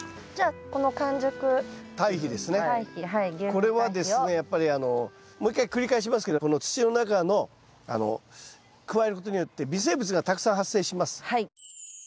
これはですねやっぱりもう一回繰り返しますけどこの土の中の加えることによって微生物がたくさん発生します。